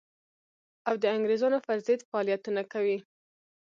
او د انګرېزانو پر ضد فعالیتونه کوي.